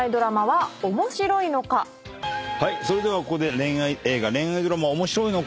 それではここで恋愛映画恋愛ドラマは面白いのか？